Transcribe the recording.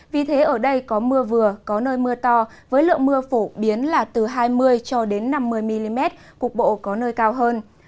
vì thế ở đây có mưa vừa có nơi mưa to với lượng mưa phổ biến là từ hai mươi cho đến năm mươi mm cục bộ có nơi cao hơn